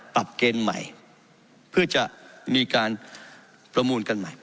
ปรับเกณฑ์ใหม่เพื่อจะมีการประมูลกันใหม่